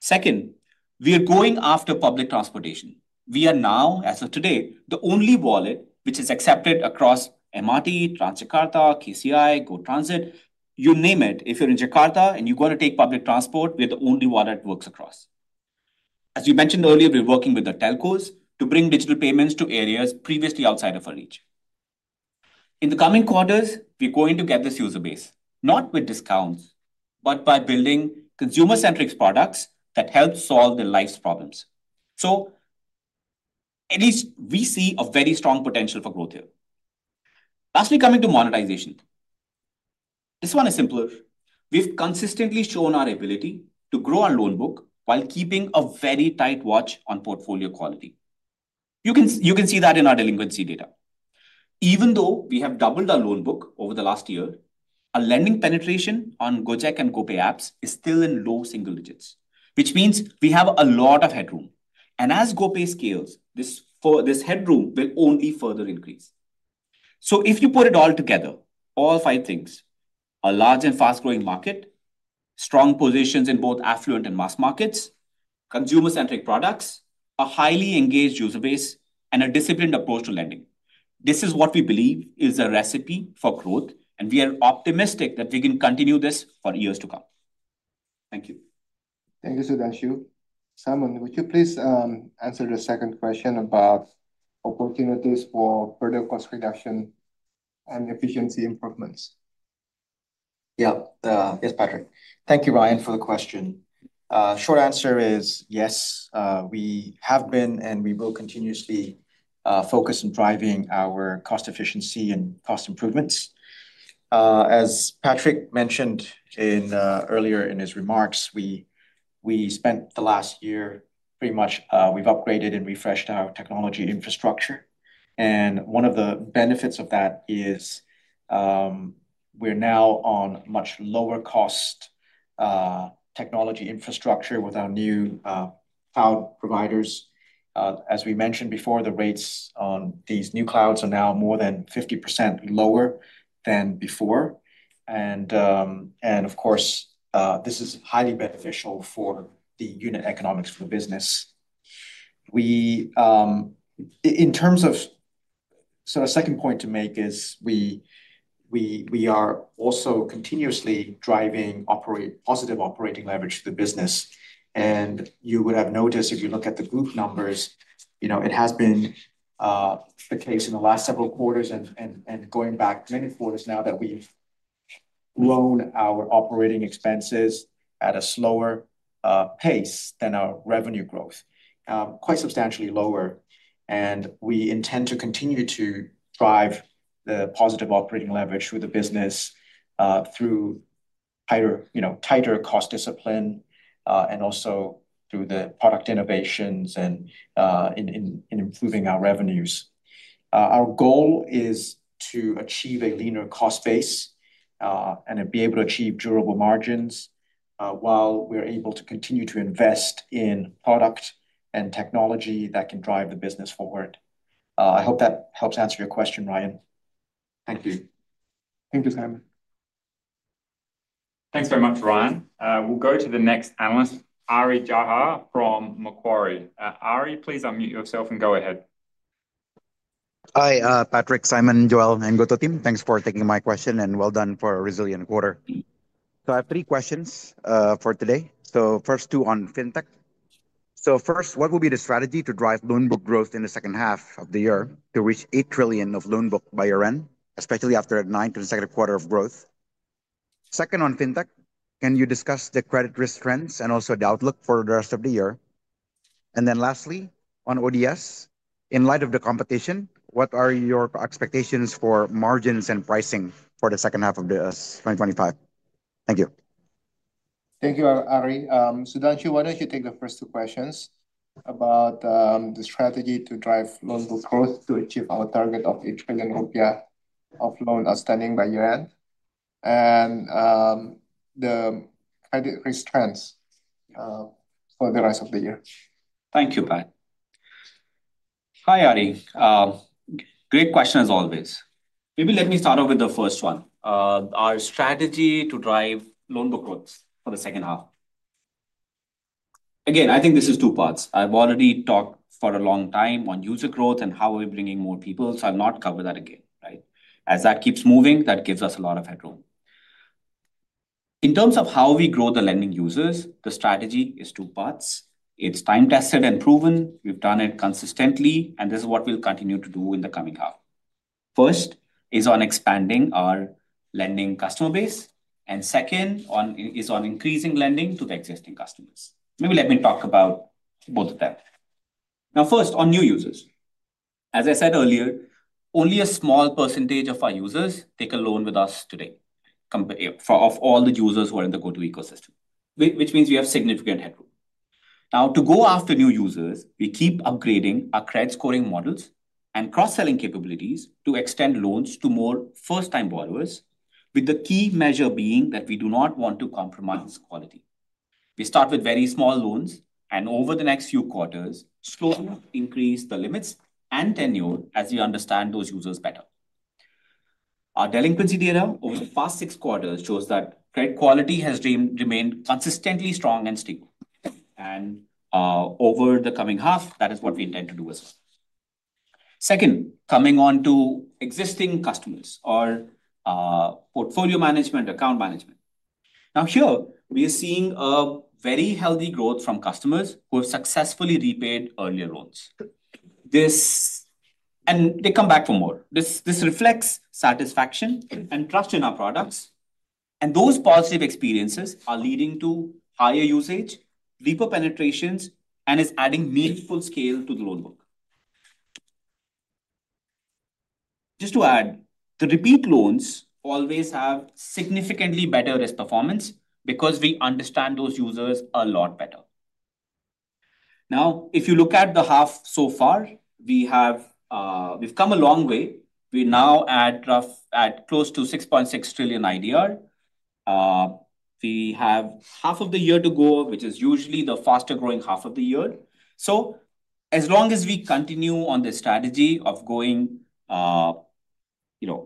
Second, we are going after public transportation. We are now, as of today, the only wallet which is accepted across MRT, TransJakarta, KCI, GoTransit, you name it. If you're in Jakarta and you're going to take public transport, we're the only wallet that works across. As you mentioned earlier, we're working with the telcos to bring digital payments to areas previously outside of our reach. In the coming quarters, we go in to get this user base, not with discounts, but by building consumer-centric products that help solve their life's problems. At least we see a very strong potential for growth here. Lastly, coming to monetization, this one is simpler. We've consistently shown our ability to grow our loan book, while keeping a very tight watch on portfolio quality. You can see that in our delinquency data. Even though we have doubled our loan book over the last year, our lending penetration on Gojek and GoPay apps is still in low single digits, which means we have a lot of headroom. As GoPay scales, this headroom will only further increase. If you put it all together, all five things, a large and fast-growing market, strong positions in both affluent and mass markets, consumer-centric products, a highly engaged user base, and a disciplined approach to lending, this is what we believe is a recipe for growth and we are optimistic that we can continue this for years to come. Thank you. Thank you, Sudhanshu. Simon, would you please answer the second question about opportunities for further cost reduction and efficiency improvements? Yeah. Yes, Patrick. Thank you, Ryan for the question. Short answer is, yes, we have been and we will continuously focus on driving our cost efficiency and cost improvements. As Patrick mentioned earlier in his remarks, the last year, pretty much we've upgraded and refreshed our technology infrastructure. One of the benefits of that is, we're now on much lower-cost technology infrastructure with our new cloud providers. As we mentioned before, the rates on these new clouds are now more than 50% lower than before. Of course, this is highly beneficial for the unit economics of the business. A second point to make is, we are also continuously driving positive operating leverage to the business. You would have noticed if you look at the group numbers, it has been the case in the last several quarters and going back many quarters now, that we've grown our operating expenses at a slower pace than our revenue growth, quite substantially lower. We intend to continue to drive the positive operating leverage through the business, through tighter cost discipline and also through the product innovations and in improving our revenues. Our goal is to achieve a leaner cost base and be able to achieve durable margins, while we're able to continue to invest in product and technology that can drive the business forward. I hope that helps answer your question, Ryan. Thank you. Thank you, Simon. Thanks very much, Ryan. We'll go to the next analyst, Ari Jahja from Macquarie. Ari, please unmute yourself and go ahead. Hi Patrick, Simon, Joel and GoTo team, thanks for taking my question, and well done for a resilient quarter. I have three questions for today. First, two on fintech. What will be the strategy to drive loan book growth in the second half of the year to reach Rp8 trillion of loan book by year end, especially after a [ninth] and second quarter of growth? Second, on fintech, can you discuss the credit risk trends and also the outlook for the rest of the year? Lastly, on ODS, in light of the competition, what are your expectations for margins and pricing for the second half of 2025? Thank you. Thank you, Ari. Sudhanshu, why don't you take the first two questions about the strategy to drive loan book growth to achieve our target of Rp8 billion of loan outstanding by year-end and the trends for the rest of the year? Thank you, Pat. Hi, Ari. Great question as always. Maybe let me start off with the first one, our strategy to drive loan book growth for the second half. Again, I think this is two parts. I've already talked for a long time on user growth and how we're bringing more people, so I'll not cover that again, right? As that keeps moving, that gives us a lot of headroom. In terms of how we grow the lending users, the strategy is two parts. It's time-tested and proven. We've done it consistently, and this is what we'll continue to do in the coming half. First is on expanding our lending customer base, and second is on increasing lending to the existing customers. Maybe let me talk about both of them now. First, on new users. As I said earlier, only a small percentage of our users take a loan with us today, of all the users who are in the GoTo ecosystem, which means we have significant headroom. Now, to go after new users, we keep upgrading our credit scoring models and cross-selling capabilities, to extend loans to more first-time borrowers, with the key measure being that we do not want to compromise quality. We start with very small loans and over the next few quarters, slowly increase the limits and tenure as we understand those users better. Our delinquency data over the past six quarters shows that credit quality has remained consistently strong and stable. Over the coming half, that is what we intend to do as well. Second, coming on to existing customers or portfolio management, account management. Now, sure, we are seeing a very healthy growth from customers who have successfully repaid earlier loans, and they come back for more. This reflects satisfaction and trust in our products, and those positive experiences are leading to higher usage, deeper penetrations, and is adding meaningful scale to the loan book. Just to add, the repeat loans always have significantly better risk performance because we understand those users a lot better. Now, if you look at the half so far, we've come a long way. We now add close to 6.6 trillion IDR. We have half of the year to go, which is usually the faster-growing half of the year. As long as we continue on the strategy of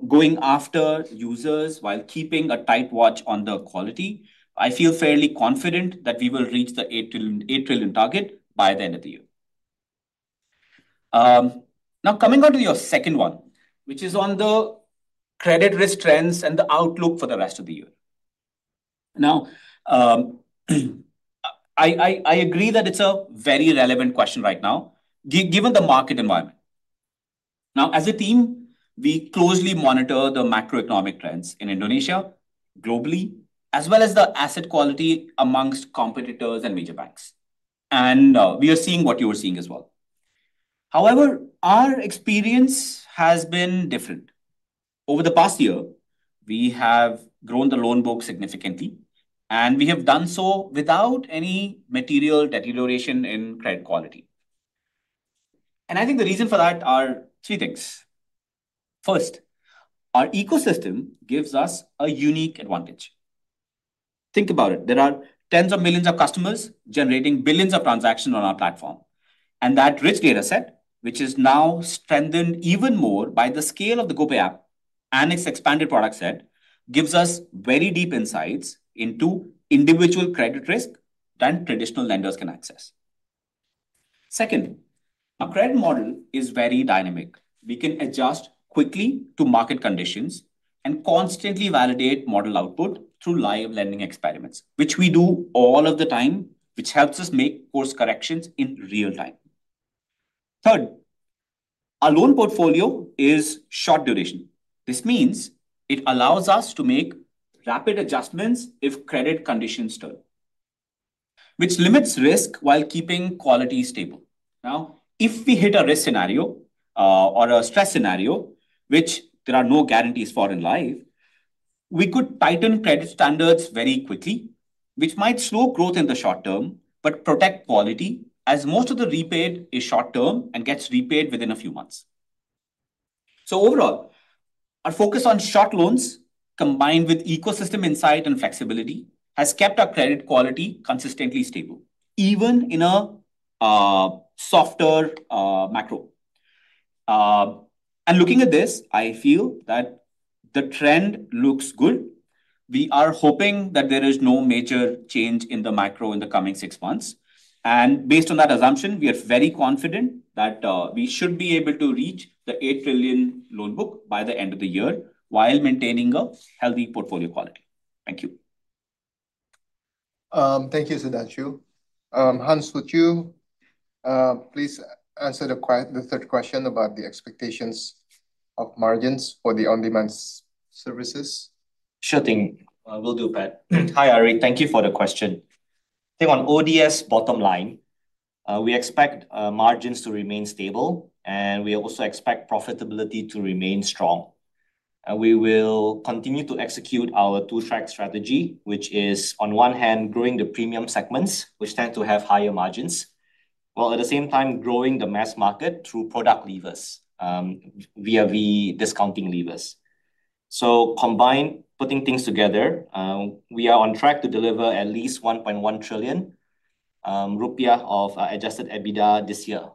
going after users while keeping a tight watch on the quality, I feel fairly confident that we will reach the Rp8 trillion target by the end of the year. Now, coming on to your second one, which is on the credit risk trends and the outlook for the rest of the year. Now, I agree that it's a very relevant question right now, given the market environment. Now, as a team, we closely monitor the macroeconomic trends in Indonesia, globally, as well as the asset quality amongst competitors and major banks. We are seeing what you are seeing as well. However, our experience has been different. Over the past year, we have grown the loan book significantly, and we have done so without any material deterioration in credit quality. I think the reason for that are three things. First, our ecosystem gives us a unique advantage. Think about it, there are tens of millions of customers generating billions of transactions on our platform. That rich data set, which is now strengthened even more by the scale of the GoPay app and its expanded product set, gives us very deep insights into individual credit risk than traditional lenders can access. Second, our credit model is very dynamic. We can adjust quickly to market conditions and constantly validate model output through live lending experiments, which we do all of the time, which helps us make course corrections in real time. Third, our loan portfolio is short-duration. This means it allows us to make rapid adjustments if credit conditions stir, which limits risk, while keeping quality stable. If we hit a risk scenario or a stress scenario, which there are no guarantees for in life, we could tighten credit standards very quickly, which might slow growth in the short term, but protect quality, as most of the [repaid] is short term and gets repaid within a few months. Overall, our focus on short loans combined with ecosystem insight and flexibility, has kept our credit quality consistently stable even in a softer macro. Looking at this, I feel that the trend looks good. We are hoping that there is no major change in the macro in the coming six months, and based on that assumption, we are very confident that we should be able to reach the Rp8 trillion loan book by the end of the year, while maintaining a healthy portfolio quality. Thank you. Thank you, Sudhanshu. Hans, would you please answer the third question about the expectations of margins for the on-demand services? Sure thing, we'll do, Pat. Hi, Ari. Thank you for the question. On the ODS bottom line, we expect margins to remain stable, and we also expect profitability to remain strong. We will continue to execute our two-track strategy, which is on one hand growing the premium segments, which tend to have higher margins, while at the same time, growing the mass market through product levers via the discounting levers. Combined, putting things together, we are on track to deliver at least Rp1.1 trillion of adjusted EBITDA this year,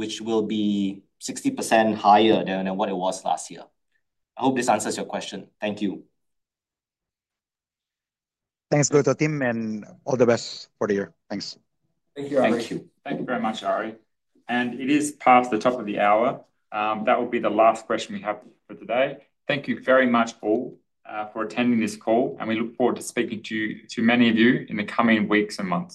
which will be 60% higher than what it was last year. I hope this answers your question. Thank you. Thanks, GoTo team and all the best for the year. Thanks. Thank you very much, Ari. It is past the top of the hour. That will be the last question we have for today. Thank you very much all for attending this call, and we look forward to speaking to many of you in the coming weeks and months.